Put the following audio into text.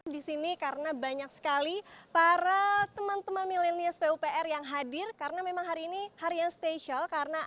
di sini karena banyak sekali para teman teman milenial pupr yang hadir karena memang hari ini hari yang spesial karena